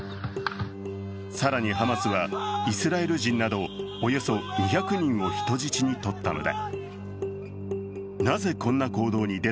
更にハマスはイスラエル人などおよそ２００人を人質に取ったのだ。